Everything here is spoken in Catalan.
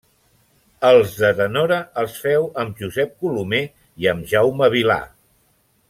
Els de tenora els féu amb Josep Colomer i amb Jaume Vilà.